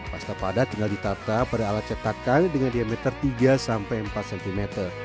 pasta padat tinggal ditata pada alat cetakan dengan diameter tiga empat cm